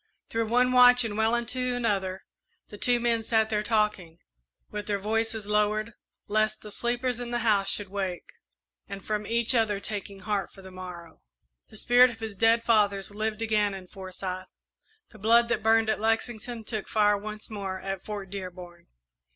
Through one watch and well into another the two men sat there talking, with their voices lowered, lest the sleepers in the house should wake, and from each other taking heart for the morrow. The spirit of his dead fathers lived again in Forsyth; the blood that burned at Lexington took fire once more at Fort Dearborn.